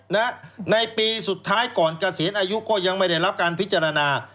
ในปีสุดท้ายก่อนเกษียณอายุก็ยังไม่ได้รับการพิจารณา